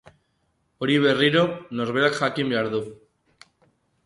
Hori, berriro, norberak jakin behar du..